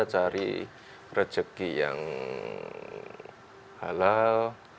cari rejeki yang halal